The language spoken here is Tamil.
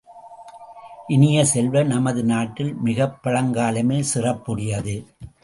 இனிய செல்வ, நமது நாட்டில் மிகப்பழங்காலமே சிறப்புடையது.